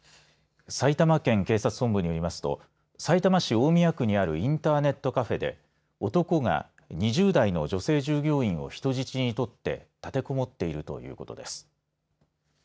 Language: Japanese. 埼玉県警察本部によりますとさいたま市大宮区にあるインターネットカフェで男が２０代の女性従業員を人質に取って立てこもっているということです。